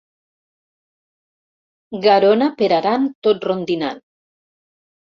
Garona per Aran tot rondinant.